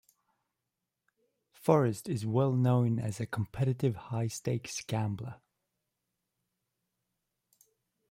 Forrest is well known as a competitive high-stakes gambler.